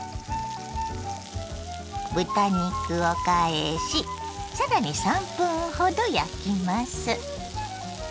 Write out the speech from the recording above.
豚肉を返しさらに３分ほど焼きます。